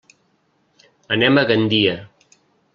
Anem a Gandia.